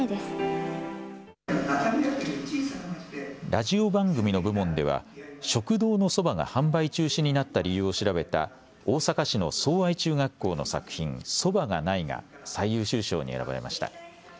ラジオ番組の部門では食堂のそばが販売中止になった理由を調べた大阪市の相愛中学校の作品、蕎麦がない！！が最優秀賞に選ばれました。